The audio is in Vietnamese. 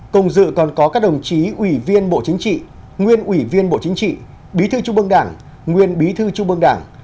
công dự còn có các đồng chí ủy viên bộ chính trị nguyên ủy viên bộ chính trị bí thư trung mương đảng nguyên bí thư trung mương đảng